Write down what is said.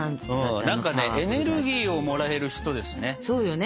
何かねエネルギーをもらえる人ですね。